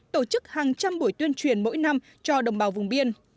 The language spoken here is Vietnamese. tổ chức hàng trăm buổi tuyên truyền mỗi năm cho đồng bào vùng biên